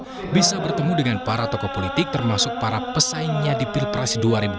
prabowo bisa bertemu dengan para tokoh politik termasuk para pesaingnya di pilpres dua ribu dua puluh